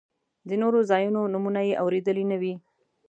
د نورو ځایونو نومونه یې اورېدلي نه وي.